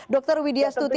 dokter widya stuti